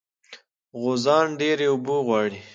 غوزان ډېرې اوبه غواړي.